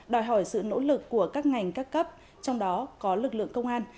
đòi hỏi sự nỗ lực của các ngành các cấp trong đó có lực lượng công an